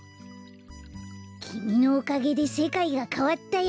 きみのおかげでせかいがかわったよ。